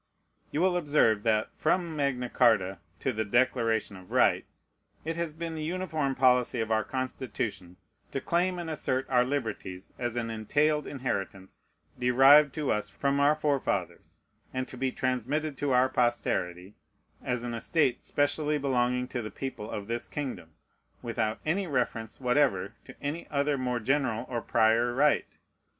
You will observe, that, from Magna Charta to the Declaration of Right, it has been the uniform policy of our Constitution to claim and assert our liberties as an entailed inheritance derived to us from our forefathers, and to be transmitted to our posterity, as an estate specially belonging to the people of this kingdom, without any reference whatever to any other more general or prior right.